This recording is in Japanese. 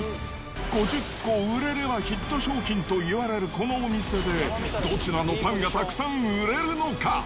５０個売れればヒット商品といわれるこのお店で、どちらのパンがたくさん売れるのか？